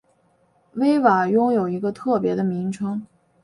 威瓦拥有一个特别的名称。